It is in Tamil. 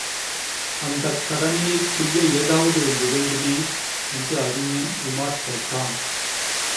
அந்தக் கடமையைச் செய்ய ஏதாவது ஒன்று வேண்டுமே! என்று அறிஞன் உமார் கேட்டான்.